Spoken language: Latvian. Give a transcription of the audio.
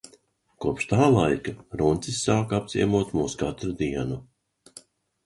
Kopš tā laika runcis sāka apciemot mūs katru dienu.